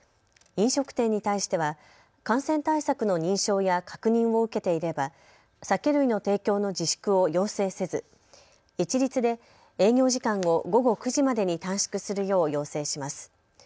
飲食店に対しては感染対策の認証や確認を受けていれば酒類の提供の自粛を要請せず一律で営業時間を午後９時までに短縮するよう要請します。